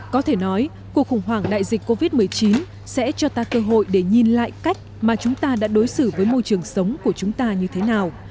có thể nói cuộc khủng hoảng đại dịch covid một mươi chín sẽ cho ta cơ hội để nhìn lại cách mà chúng ta đã đối xử với môi trường sống của chúng ta như thế nào